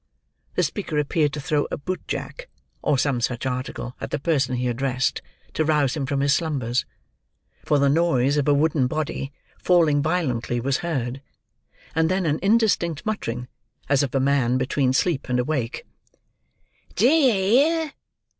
The speaker appeared to throw a boot jack, or some such article, at the person he addressed, to rouse him from his slumbers: for the noise of a wooden body, falling violently, was heard; and then an indistinct muttering, as of a man between sleep and awake. "Do you hear?"